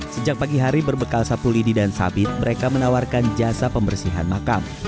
sejak pagi hari berbekal sapu lidi dan sabit mereka menawarkan jasa pembersihan makam